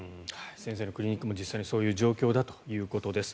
先生のクリニックも実際にそういう状況だということです。